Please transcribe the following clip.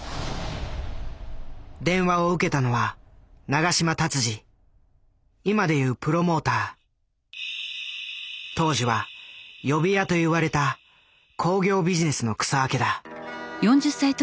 電話を受けたのは当時は「呼び屋」と言われた興行ビジネスの草分けだ。